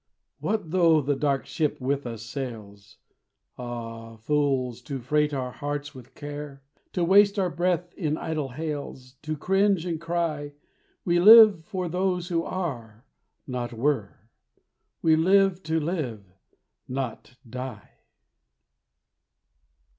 What though the dark ship with us sails Ah, fools, to freight our hearts with care! To waste our breath in idle hails, To cringe and cry. We live for those who are, not were! We live to live, not die!